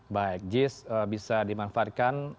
baik jis bisa dimanfaatkan